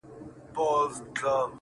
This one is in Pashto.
o ستړى په گډا سومه ،چي، ستا سومه.